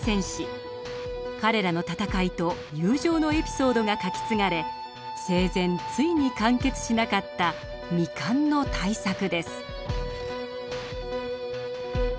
彼らの戦いと友情のエピソードが描き継がれ生前ついに完結しなかった未完の大作です。